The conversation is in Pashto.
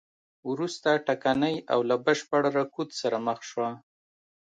وروسته ټکنۍ او له بشپړ رکود سره مخ شوه.